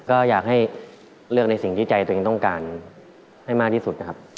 ก็อยากให้เลือกในสิ่งที่ใจตัวเองต้องการให้มากที่สุดนะครับ